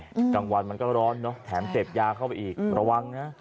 โอ้โหตั้งวันมันก็ร้อนเนอะแถมเจ็บยาเข้าไปอีกระวังนะ